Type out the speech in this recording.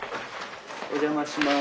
お邪魔します。